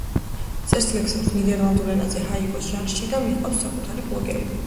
წერს ლექსებს ნიდერლანდურ ენაზე ჰაიკუს ჟანრში და მიჰყავს საკუთარი ბლოგი.